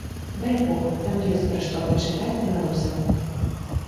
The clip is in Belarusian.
Дальбог, там ёсць пра што пачытаць беларусам.